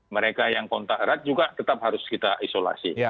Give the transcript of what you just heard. mereka yang kontak erat juga tetap harus kita isolasi